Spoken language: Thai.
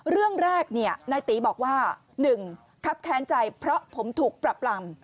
เรื่องแรกนายตีบอกว่า๑ครับแค้นใจเพราะผมถูกปรับลำ